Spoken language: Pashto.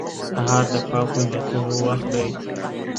سهار د پاکو نیتونو وخت دی.